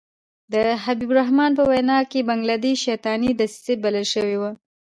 د حبیب الرحمن په وینا کې بنګله دېش شیطاني دسیسه بلل شوې وه.